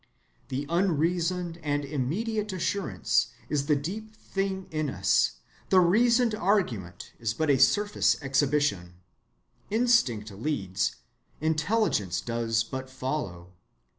The unreasoned and immediate assurance is the deep thing in us, the reasoned argument is but a surface exhibition. Instinct leads, intelligence does but follow.